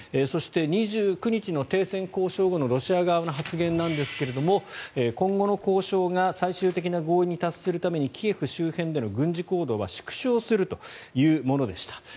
そして、２９日の停戦交渉後のロシア側の発言なんですが今後の交渉が最終的な合意に達するためにキエフ周辺での軍事行動を縮小するというものでした。